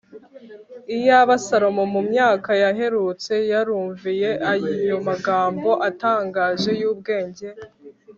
iyaba salomo mu myaka yaherutse yarumviye ayo magambo atangaje y'ubwenge